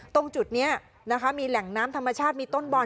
ตรงจุดนี้นะคะมีแหล่งน้ำธรรมชาติมีต้นบอล